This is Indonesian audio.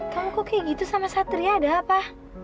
kamu kok kayak gitu sama satria ada apa